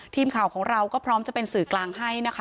ทีมข่าวของเราก็พร้อมจะเป็นสื่อกลางให้นะคะ